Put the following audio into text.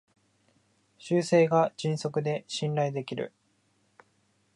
修正が迅速で信頼できる